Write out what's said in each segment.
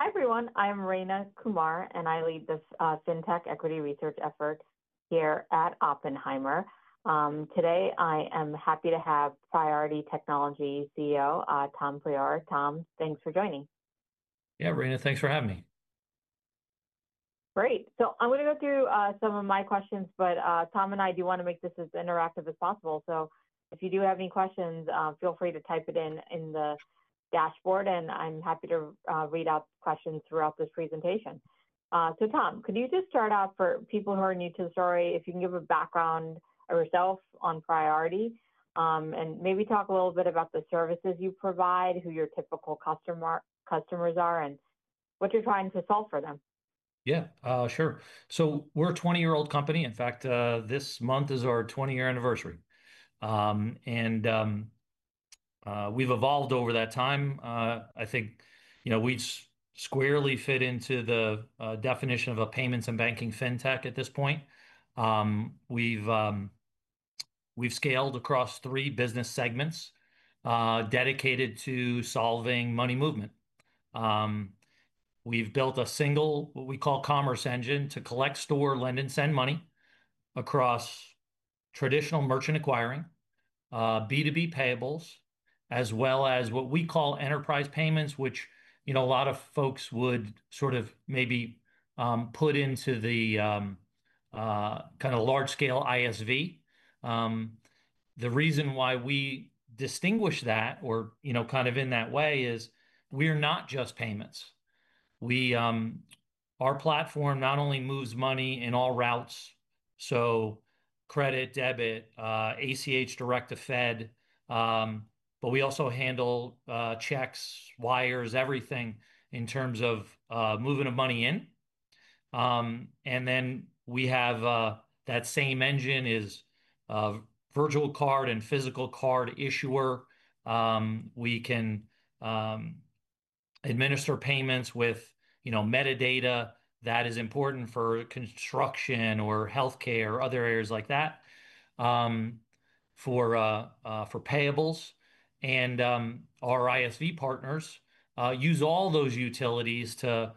Hi, everyone. I'm Rayna Kumar, and I lead this Fintech Equity Research Effort here at Oppenheimer. Today I am happy to have Priority Technology Holdings CEO, Tom Priore. Tom, thanks for joining. Yeah, Rayna, thanks for having me. Great. I'm going to go through some of my questions, but Tom and I do want to make this as interactive as possible. If you do have any questions, feel free to type it in the dashboard, and I'm happy to read out questions throughout this presentation. Tom, could you just start out for people who are new to the story, if you can give a background of yourself on Priority, and maybe talk a little bit about the services you provide, who your typical customers are, and what you're trying to solve for them? Yeah, sure. We're a 20-year-old company. In fact, this month is our 20-year anniversary. We've evolved over that time. I think we squarely fit into the definition of a payments and banking fintech at this point. We've scaled across three business segments dedicated to solving money movement. We've built a single, what we call, commerce engine to collect, store, lend, and send money across traditional merchant acquiring, B2B payables, as well as what we call enterprise payments, which a lot of folks would sort of maybe put into the kind of large-scale ISV. The reason why we distinguish that or kind of in that way is we're not just payments. Our platform not only moves money in all routes, so credit, debit, ACH direct to Fed, but we also handle checks, wires, everything in terms of moving the money in. We have that same engine as virtual card and physical card issuer. We can administer payments with metadata that is important for construction or healthcare or other areas like that, for payables. Our ISV partners use all those utilities to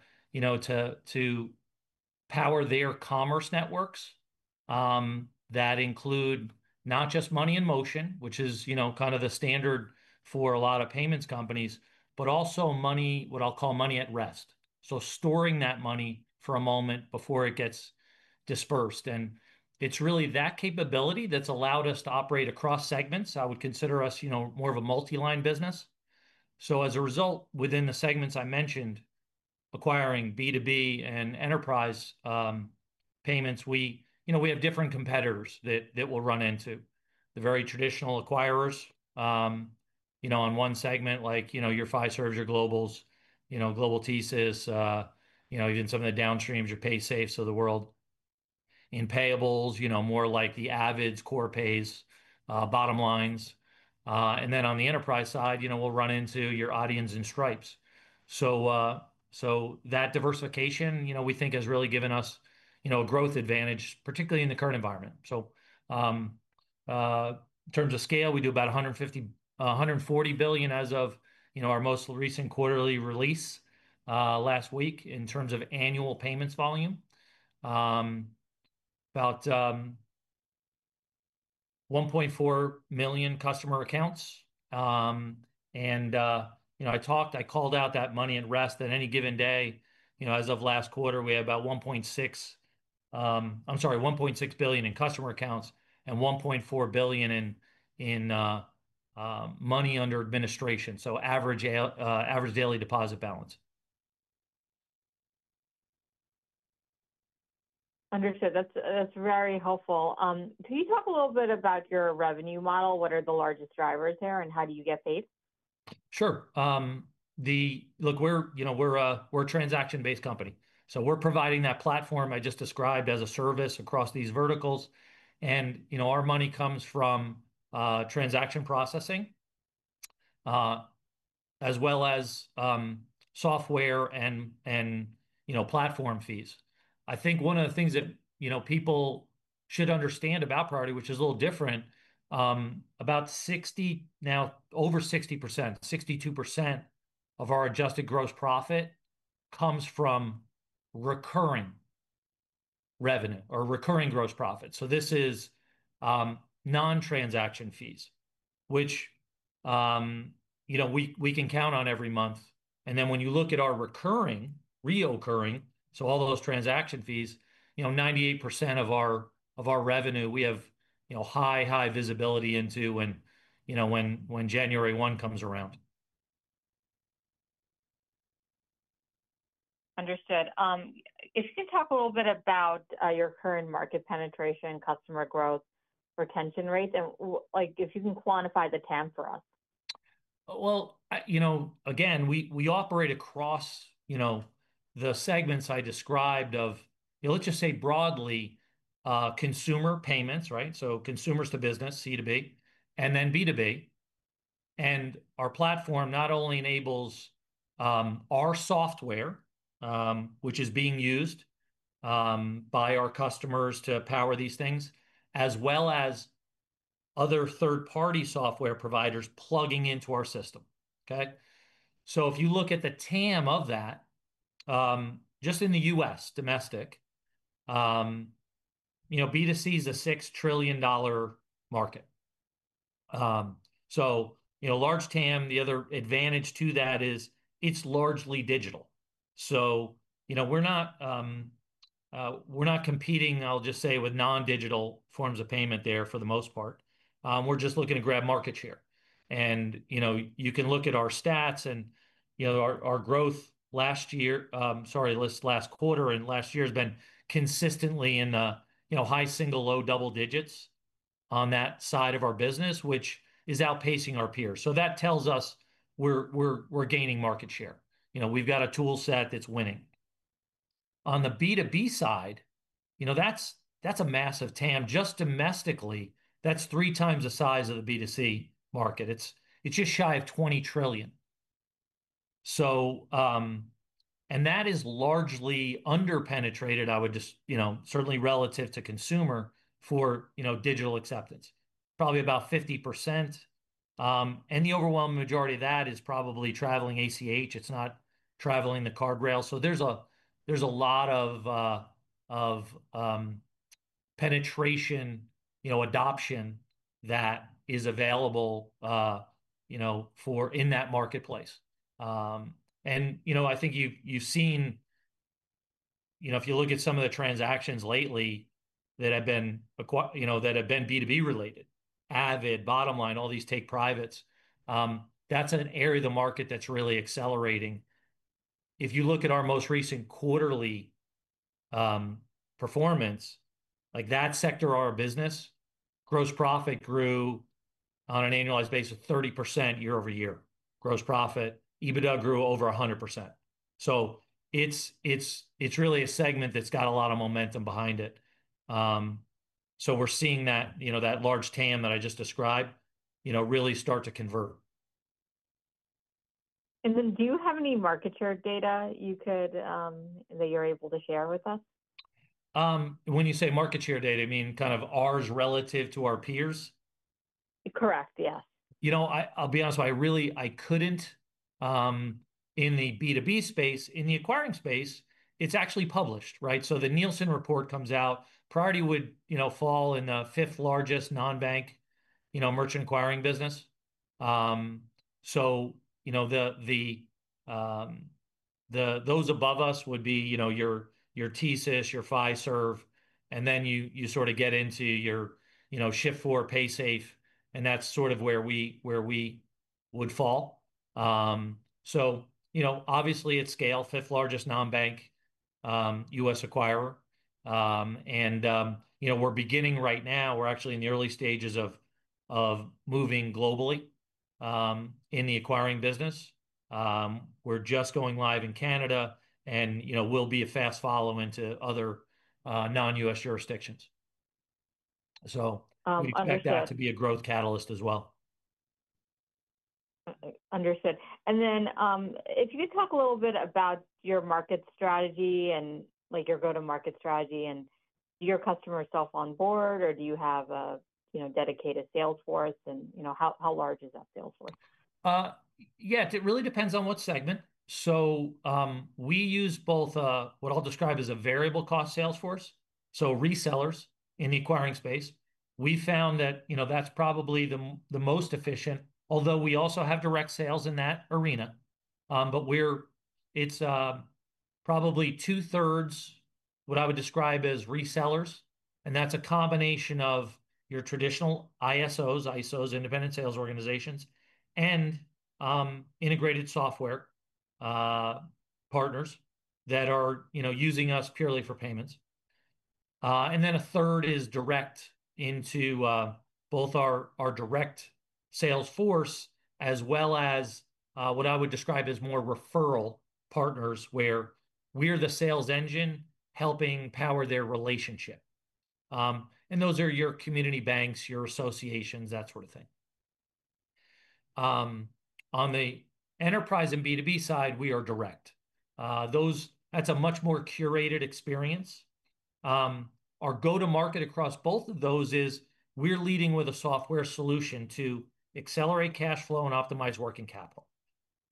power their commerce networks that include not just money in motion, which is kind of the standard for a lot of payments companies, but also money, what I'll call money at rest, so storing that money for a moment before it gets dispersed. It's really that capability that's allowed us to operate across segments. I would consider us more of a multi-line business. As a result, within the segments I mentioned, acquiring, B2B, and enterprise payments, we have different competitors that we'll run into. The very traditional acquirers on one segment, like your Fiservs, your Globals, Global TSYS, even some of the downstreams, your Paysafe of the world, and payables, more like the Avids, Corpays, Bottomlines. On the enterprise side, we'll run into your Adyens and Stripes. That diversification, we think, has really given us a growth advantage, particularly in the current environment. In terms of scale, we do about $150 billion, $140 billion as of our most recent quarterly release last week in terms of annual payments volume, about 1.4 million customer accounts. I called out that money at rest at any given day. As of last quarter, we had about 1.6 billion in customer accounts and $1.4 billion in money under administration, so average daily deposit balance. Understood. That's very helpful. Can you talk a little bit about your revenue model? What are the largest drivers there, and how do you get paid? Sure. Look, we're a transaction-based company. We're providing that platform I just described as a service across these verticals. Our money comes from transaction processing, as well as software and platform fees. I think one of the things that people should understand about Priority, which is a little different, about 60%, now over 60%, 62% of our adjusted gross profit comes from recurring revenue or recurring gross profit. This is non-transaction fees, which we can count on every month. When you look at our recurring, so all those transaction fees, 98% of our revenue, we have high visibility into when January 1 comes around. Understood. If you can talk a little bit about your current market penetration, customer growth, retention rate, and if you can quantify the TAM for us. We operate across the segments I described of, let's just say broadly, consumer payments, right? Consumers to business, C to B, and then B2B. Our platform not only enables our software, which is being used by our customers to power these things, as well as other third-party software providers plugging into our system. If you look at the TAM of that, just in the U.S., domestic, B2C is a $6 trillion market. Large TAM, the other advantage to that is it's largely digital. We're not competing, I'll just say, with non-digital forms of payment there for the most part. We're just looking to grab market share. You can look at our stats and our growth last quarter and last year has been consistently in high single, low double digits on that side of our business, which is outpacing our peers. That tells us we're gaining market share. We've got a tool set that's winning. On the B2B side, that's a massive TAM. Just domestically, that's 3x the size of the B2C market. It's just shy of $20 trillion. That is largely underpenetrated, certainly relative to consumer for digital acceptance. Probably about 50%. The overwhelming majority of that is probably traveling ACH. It's not traveling the card rail. There's a lot of penetration, adoption that is available in that marketplace. I think you've seen, if you look at some of the transactions lately that have been B2B related, Avid, Bottomline, all these take privates. That's an area of the market that's really accelerating. If you look at our most recent quarterly performance, that sector of our business, gross profit grew on an annualized basis of 30% year-over-year. Gross profit, EBITDA grew over 100%. It's really a segment that's got a lot of momentum behind it. We're seeing that large TAM that I just described really start to convert. Do you have any market share data you could, that you're able to share with us? When you say market share data, I mean kind of ours relative to our peers? Correct, yeah. I'll be honest with you, I really couldn't, in the B2B space, in the acquiring space, it's actually published, right? The Nielsen report comes out. Priority would fall in the fifth largest non-bank merchant acquiring business. Those above us would be your TSYS, your Fiserv, and then you sort of get into your Shift4, Paysafe, and that's sort of where we would fall. Obviously at scale, fifth largest non-bank U.S. acquirer. We're beginning right now. We're actually in the early stages of moving globally in the acquiring business. We're just going live in Canada, and we'll be a fast follow into other non-U.S. jurisdictions. We'd like that to be a growth catalyst as well. Understood. If you could talk a little bit about your market strategy and your go-to-market strategy, do your customers self-onboard, or do you have a dedicated sales force, and how large is that sales force? Yeah, it really depends on what segment. We use both what I'll describe as a variable cost sales force, so resellers in the acquiring space. We found that that's probably the most efficient, although we also have direct sales in that arena. It's probably 2/3 what I would describe as resellers, and that's a combination of your traditional ISOs, independent sales organizations, and integrated software partners that are using us purely for payments. A third is direct into both our direct sales force, as well as what I would describe as more referral partners where we're the sales engine helping power their relationship. Those are your community banks, your associations, that sort of thing. On the enterprise and B2B side, we are direct. That's a much more curated experience. Our go-to-market across both of those is we're leading with a software solution to accelerate cash flow and optimize working capital.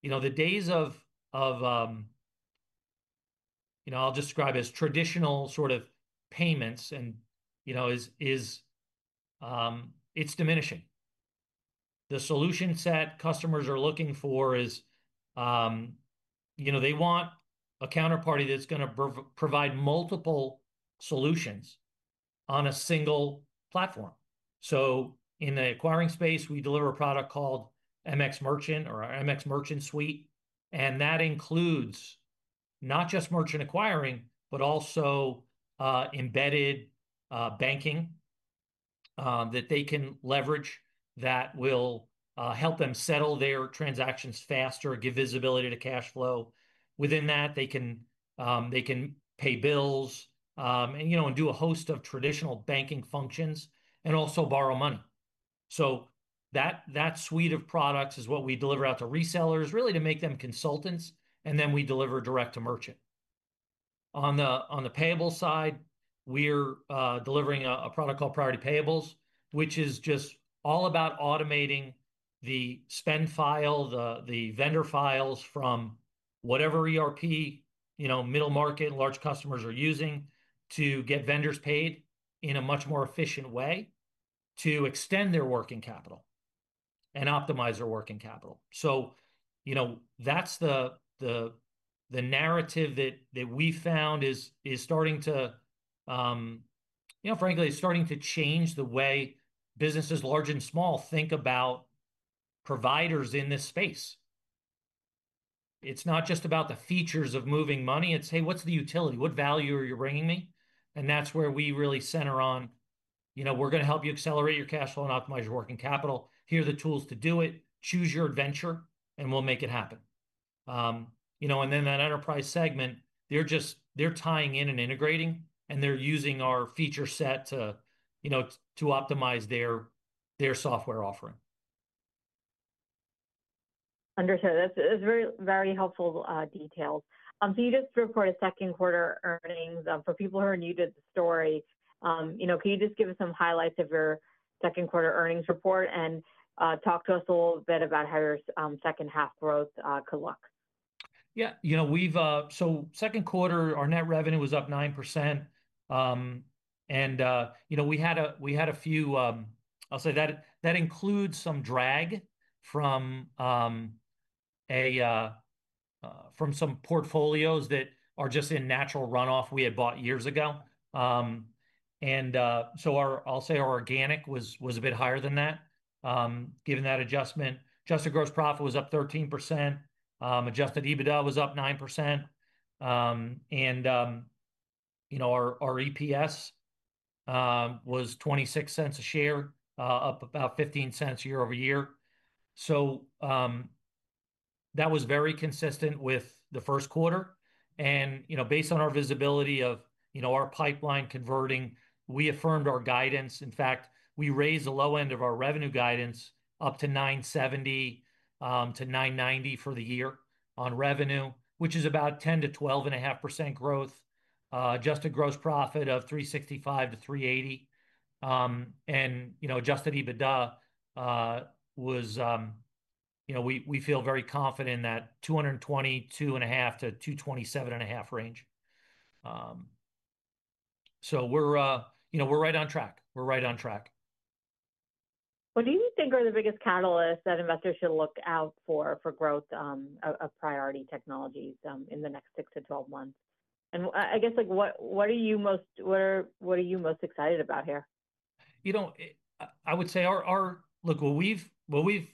The days of traditional sort of payments is diminishing. The solution set customers are looking for is they want a counterparty that's going to provide multiple solutions on a single platform. In the acquiring space, we deliver a product called MX Merchant or our MX Merchant Suite, and that includes not just merchant acquiring, but also embedded banking that they can leverage that will help them settle their transactions faster and give visibility to cash flow. Within that, they can pay bills and do a host of traditional banking functions and also borrow money. That suite of products is what we deliver out to resellers, really to make them consultants, and then we deliver direct to merchant. On the payable side, we're delivering a product called Priority Payables, which is just all about automating the spend file, the vendor files from whatever ERP middle market, large customers are using to get vendors paid in a much more efficient way to extend their working capital and optimize their working capital. That's the narrative that we found is starting to, frankly, it's starting to change the way businesses large and small think about providers in this space. It's not just about the features of moving money. It's, hey, what's the utility? What value are you bringing me? That's where we really center on, we're going to help you accelerate your cash flow and optimize your working capital. Here are the tools to do it. Choose your adventure, and we'll make it happen. In that enterprise segment, they're tying in and integrating, and they're using our feature set to optimize their software offering. Understood. That's very, very helpful details. Can you just report a second quarter earnings, for people who are new to the story? You know, can you just give us some highlights of your second quarter earnings report and talk to us a little bit about how your second half growth could look? Yeah, you know, we've, so second quarter, our net revenue was up 9%, and, you know, we had a, we had a few, I'll say that, that includes some drag from, a, from some portfolios that are just in natural runoff we had bought years ago. Our, I'll say our organic was, was a bit higher than that. Given that adjustment, adjusted gross profit was up 13%. Adjusted EBITDA was up 9%, and, you know, our, our EPS was $0.26 a share, up about $0.15 year-over-year. That was very consistent with the first quarter. Based on our visibility of, you know, our pipeline converting, we affirmed our guidance. In fact, we raised the low end of our revenue guidance up to $970 million-$990 million for the year on revenue, which is about 10%-12.5% growth. Adjusted gross profit of $365 million-$380 million, and, you know, adjusted EBITDA, was, you know, we, we feel very confident in that $222.5 million-$227.5 million range. We're, you know, we're right on track. We're right on track. What do you think are the biggest catalysts that investors should look out for, for growth of Priority Technology in the next six to 12 months? What are you most excited about here? I would say what we've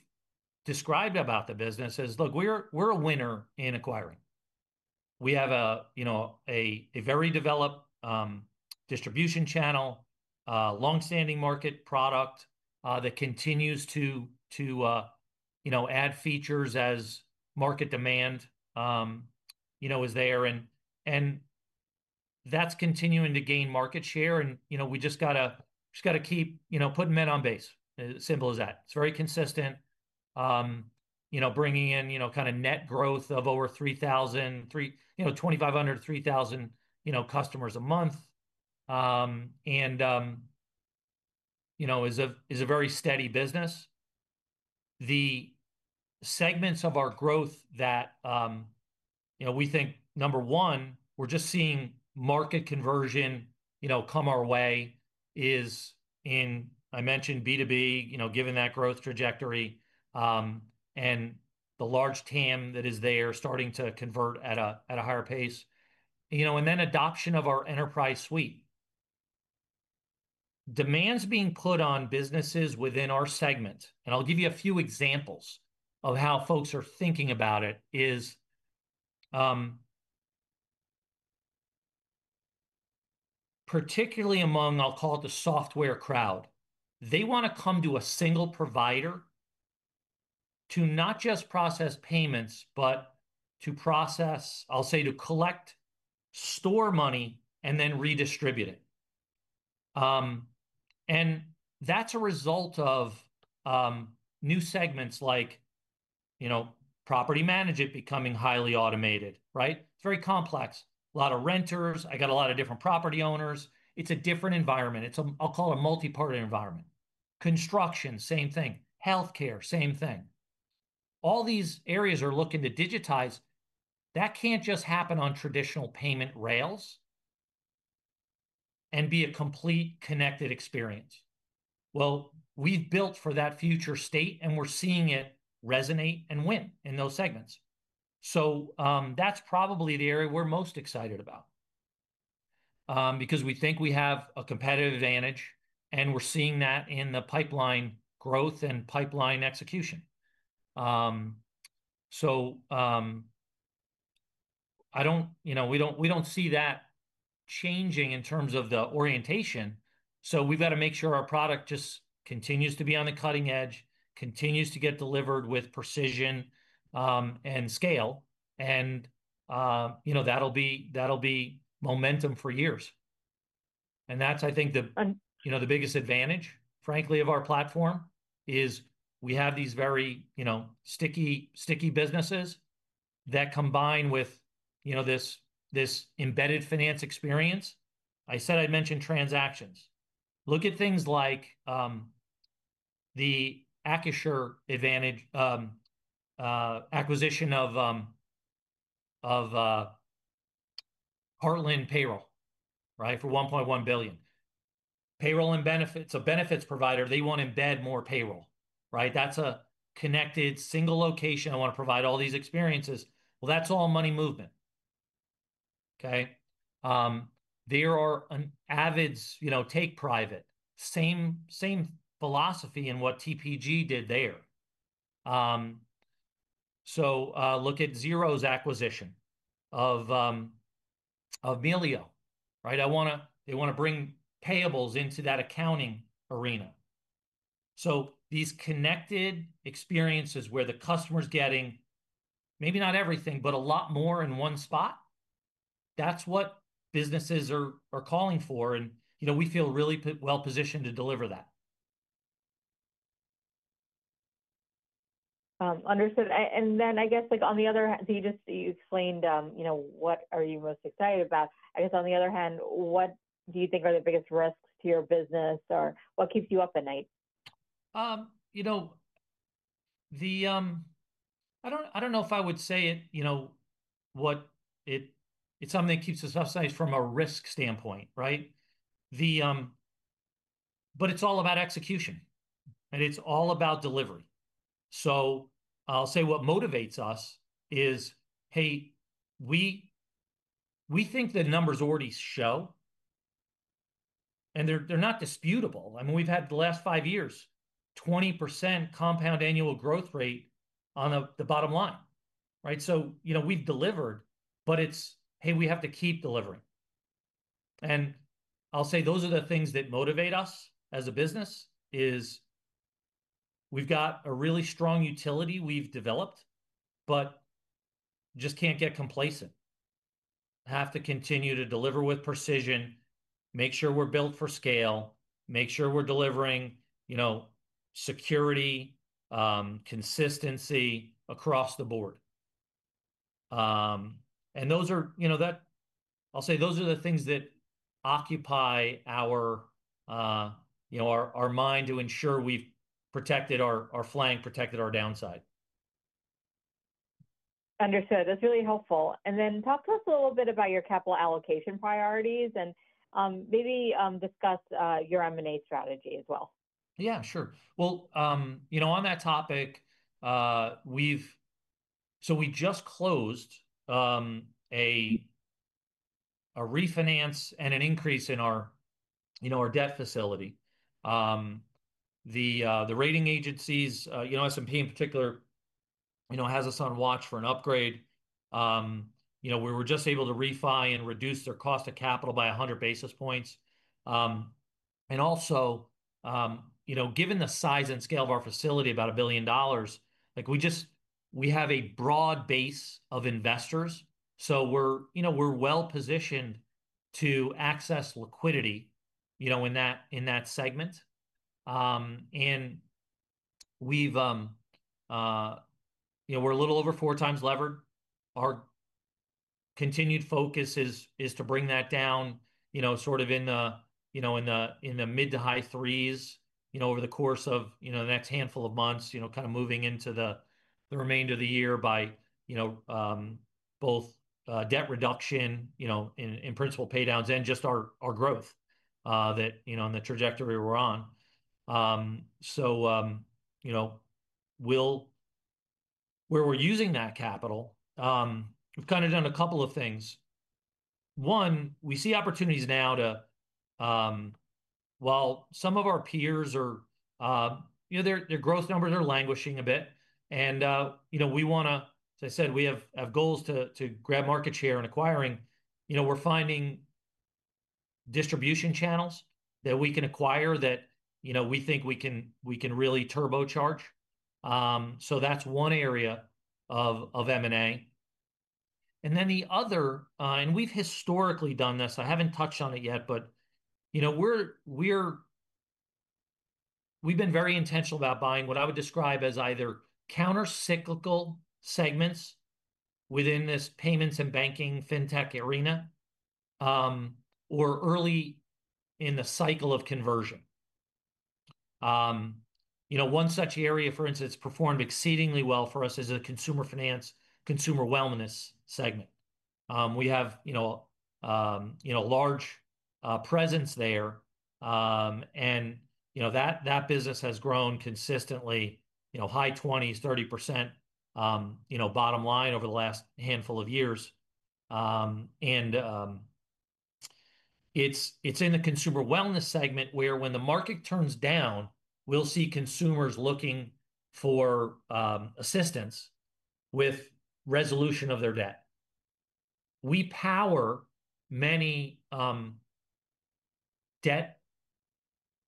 described about the business is we're a winner in acquiring. We have a very developed distribution channel, longstanding market product that continues to add features as market demand is there, and that's continuing to gain market share. We just got to keep putting men on base. As simple as that. It's very consistent, bringing in net growth of over 2,500 customers-3,000 customers a month, and it is a very steady business. The segments of our growth that we think, number one, we're just seeing market conversion come our way is in, I mentioned B2B, given that growth trajectory and the large TAM that is there starting to convert at a higher pace. Then adoption of our enterprise suite. Demand's being put on businesses within our segment. I'll give you a few examples of how folks are thinking about it, particularly among, I'll call it the software crowd. They want to come to a single provider to not just process payments, but to process, I'll say, to collect, store money, and then redistribute it, and that's a result of new segments like property management becoming highly automated. It's very complex. A lot of renters. I got a lot of different property owners. It's a different environment. It's a, I'll call it a multiparty environment. Construction, same thing. Healthcare, same thing. All these areas are looking to digitize. That can't just happen on traditional payment rails and be a complete connected experience. We've built for that future state, and we're seeing it resonate and win in those segments. That's probably the area we're most excited about, because we think we have a competitive advantage, and we're seeing that in the pipeline growth and pipeline execution. I don't, we don't see that changing in terms of the orientation. We've got to make sure our product just continues to be on the cutting edge, continues to get delivered with precision and scale, and that'll be momentum for years. I think the biggest advantage, frankly, of our platform is we have these very sticky businesses that combine with this embedded finance experience. I said I'd mention transactions. Look at things like the Acrisure advantage acquisition of Heartland Payroll for $1.1 billion. Payroll and benefits, a benefits provider, they want to embed more payroll, right? That's a connected single location. I want to provide all these experiences. That's all money movement. There are an Avid's take private. Same philosophy in what TPG did there. Look at Xero's acquisition of Melio, right? They want to bring payables into that accounting arena. These connected experiences where the customer's getting maybe not everything, but a lot more in one spot, that's what businesses are calling for. We feel really well positioned to deliver that. Understood. I guess, on the other hand, you explained what are you most excited about. I guess, on the other hand, what do you think are the biggest risks to your business or what keeps you up at night? I don't know if I would say it, you know, it's something that keeps us upside from a risk standpoint, right? It's all about execution, and it's all about delivery. I'll say what motivates us is, hey, we think the numbers already show, and they're not disputable. We've had the last five years, 20% compound annual growth rate on the bottom line, right? We've delivered, but it's, hey, we have to keep delivering. I'll say those are the things that motivate us as a business. We've got a really strong utility we've developed, but just can't get complacent. Have to continue to deliver with precision, make sure we're built for scale, make sure we're delivering security, consistency across the board. Those are the things that occupy our mind to ensure we've protected our flank, protected our downside. Understood. That's really helpful. Talk to us a little bit about your capital allocation priorities, and maybe discuss your M&A strategy as well. Yeah, sure. On that topic, we just closed a refinance and an increase in our debt facility. The rating agencies, S&P in particular, have us on watch for an upgrade. We were just able to refi and reduce their cost of capital by 100 basis points. Also, given the size and scale of our facility, about $1 billion, we have a broad base of investors. We're well positioned to access liquidity in that segment. We're a little over 4x levered. Our continued focus is to bring that down, sort of in the mid to high threes over the course of the next handful of months, moving into the remainder of the year by both debt reduction and principal pay downs and just our growth in the trajectory we're on. We're using that capital and we've kind of done a couple of things. One, we see opportunities now while some of our peers, their gross numbers are languishing a bit. We want to, as I said, we have goals to grab market share in acquiring. We're finding distribution channels that we can acquire that we think we can really turbocharge. That's one area of M&A. The other, and we've historically done this, I haven't touched on it yet, but we've been very intentional about buying what I would describe as either countercyclical segments within this payments and banking fintech arena, or early in the cycle of conversion. One such area, for instance, performed exceedingly well for us is the consumer finance, consumer wellness segment. We have a large presence there, and that business has grown consistently, high 20%, 30%, bottom line over the last handful of years. It's in the consumer wellness segment where when the market turns down, we'll see consumers looking for assistance with resolution of their debt. We power many debt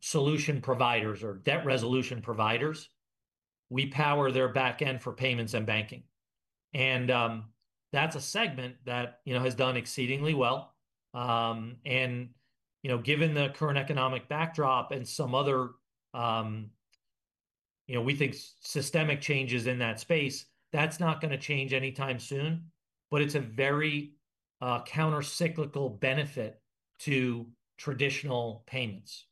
solution providers or debt resolution providers. We power their backend for payments and banking, and that's a segment that has done exceedingly well. Given the current economic backdrop and some other, we think, systemic changes in that space, that's not going to change anytime soon, but it's a very countercyclical benefit to traditional payments.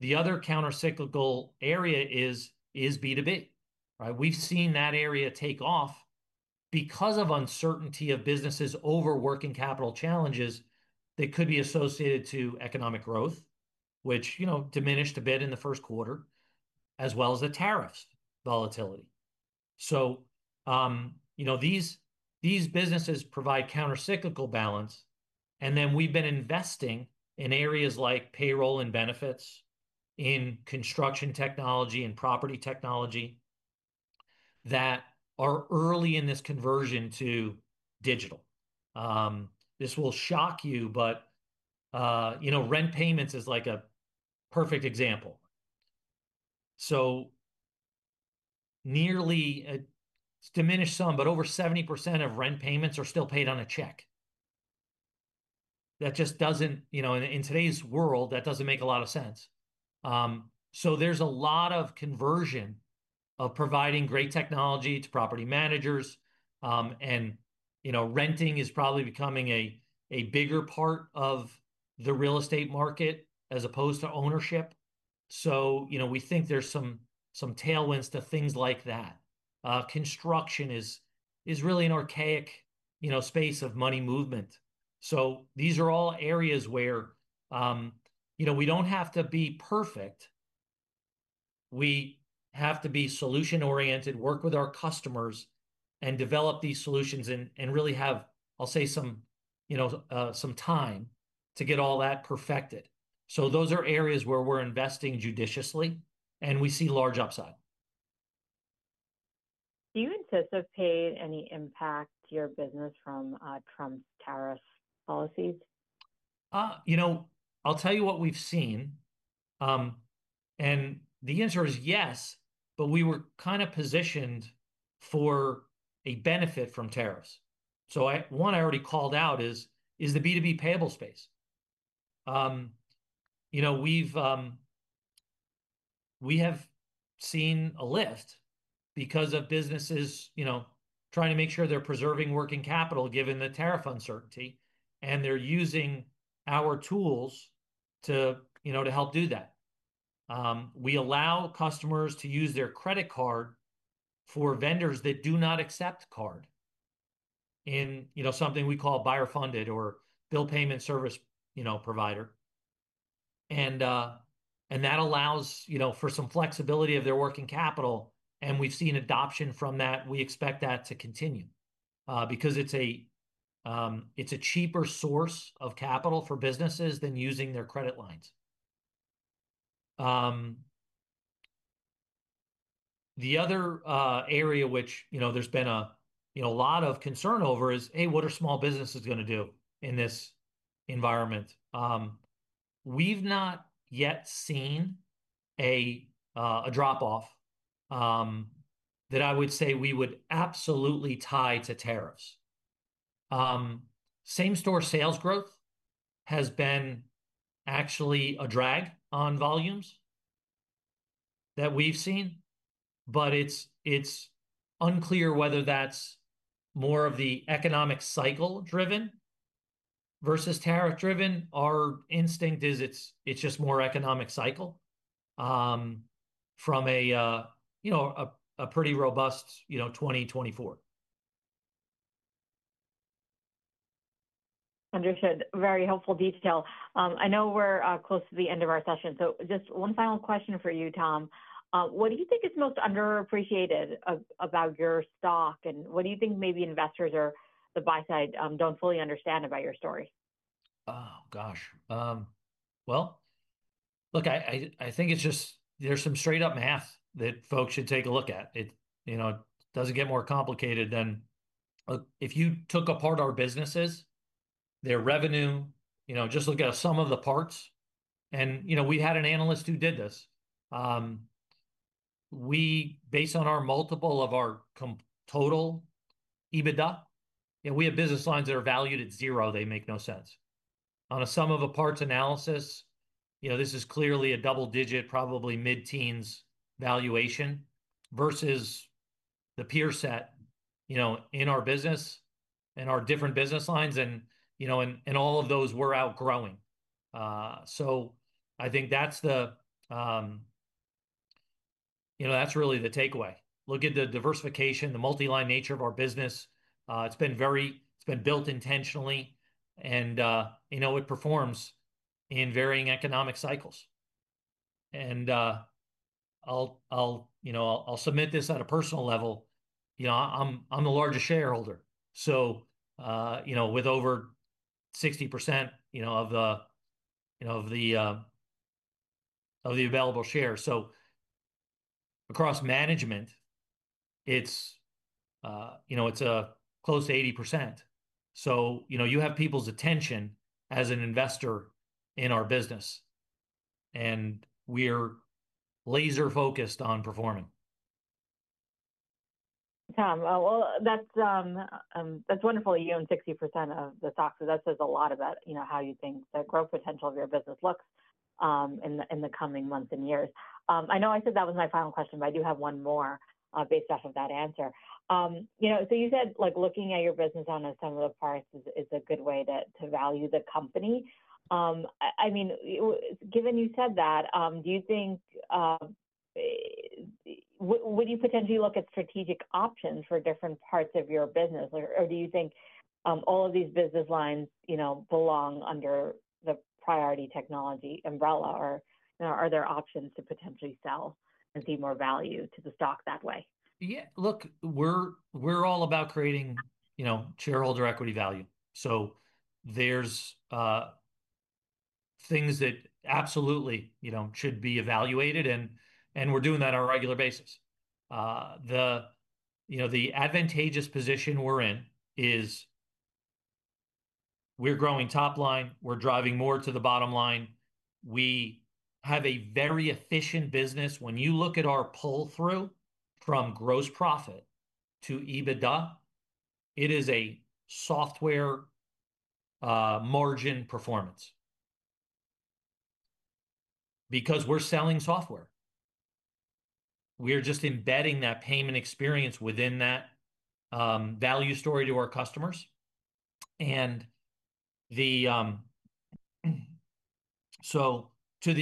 The other countercyclical area is B2B, right? We've seen that area take off because of uncertainty of businesses over working capital challenges that could be associated to economic growth, which diminished a bit in the first quarter, as well as the tariffs volatility. These businesses provide countercyclical balance. We've been investing in areas like payroll and benefits, in construction technology and property technology that are early in this conversion to digital. This will shock you, but rent payments is like a perfect example. It's diminished some, but over 70% of rent payments are still paid on a check. That just doesn't, in today's world, that doesn't make a lot of sense. There's a lot of conversion of providing great technology to property managers. Renting is probably becoming a bigger part of the real estate market as opposed to ownership. We think there's some tailwinds to things like that. Construction is really an archaic space of money movement. These are all areas where we don't have to be perfect. We have to be solution-oriented, work with our customers, and develop these solutions and really have, I'll say, some time to get all that perfected. Those are areas where we're investing judiciously, and we see large upside. Do you anticipate any impact to your business from Trump tariffs policies? I'll tell you what we've seen. The answer is yes, but we were kind of positioned for a benefit from tariffs. One I already called out is the B2B payable space. We have seen a lift because of businesses trying to make sure they're preserving working capital given the tariff uncertainty, and they're using our tools to help do that. We allow customers to use their credit card for vendors that do not accept card in something we call buyer-funded or bill payment service provider. That allows for some flexibility of their working capital, and we've seen adoption from that. We expect that to continue, because it's a cheaper source of capital for businesses than using their credit lines. The other area, which there's been a lot of concern over, is what are small businesses going to do in this environment? We've not yet seen a drop-off that I would say we would absolutely tie to tariffs. Same-store sales growth has been actually a drag on volumes that we've seen, but it's unclear whether that's more of the economic cycle-driven versus tariff-driven. Our instinct is it's just more economic cycle, from a pretty robust 2024. Understood. Very helpful detail. I know we're close to the end of our session, so just one final question for you, Tom. What do you think is most underappreciated about your stock, and what do you think maybe investors or the buy side don't fully understand about your story? Oh, gosh. Look, I think it's just there's some straight-up math that folks should take a look at. It doesn't get more complicated than, look, if you took apart our businesses, their revenue, just look at sum-of-the-parts. We had an analyst who did this. Based on our multiple of our total EBITDA, we have business lines that are valued at zero. They make no sense. On a sum-of-the-parts analysis, this is clearly a double-digit, probably mid-teens valuation versus the peer set in our business and our different business lines. All of those were outgrowing. I think that's really the takeaway. Look at the diversification, the multi-line nature of our business. It's been built intentionally, and it performs in varying economic cycles. I'll submit this on a personal level. I'm the largest shareholder, with over 60% of the available shares. Across management, it's close to 80%. You have people's attention as an investor in our business, and we're laser-focused on performing. Tom, that's wonderful that you own 60% of the stock. That says a lot about how you think the growth potential of your business looks in the coming months and years. I know I said that was my final question, but I do have one more based off of that answer. You said looking at your business on a sum-of-the-parts is a good way to value the company. Given you said that, do you think, you would potentially look at strategic options for different parts of your business, or do you think all of these business lines belong under the Priority Technology umbrella, or are there options to potentially sell and see more value to the stock that way? Yeah, look, we're all about creating shareholder equity value. There are things that absolutely should be evaluated, and we're doing that on a regular basis. The advantageous position we're in is we're growing top line, we're driving more to the bottom line, and we have a very efficient business. When you look at our pull-through from gross profit to EBITDA, it is a software margin performance because we're selling software. We're just embedding that payment experience within that value story to our customers. To the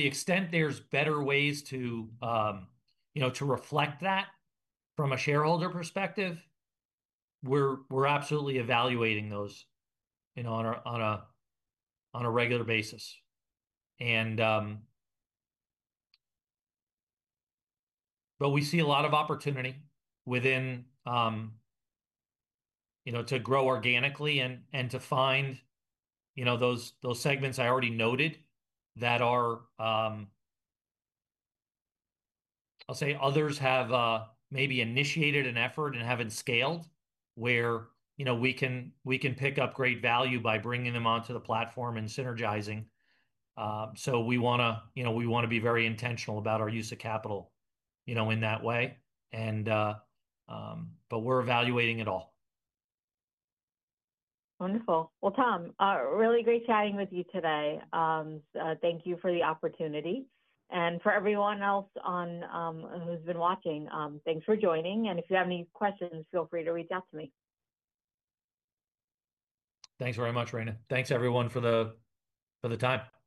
extent there's better ways to reflect that from a shareholder perspective, we're absolutely evaluating those on a regular basis. We see a lot of opportunity to grow organically and to find those segments I already noted that are, I'll say, others have maybe initiated an effort and haven't scaled, where we can pick up great value by bringing them onto the platform and synergizing. We want to be very intentional about our use of capital in that way, and we're evaluating it all. Wonderful. Tom, really great chatting with you today. Thank you for the opportunity. For everyone else who's been watching, thanks for joining. If you have any questions, feel free to reach out to me. Thanks very much, Rayna. Thanks, everyone, for the time. Thanks.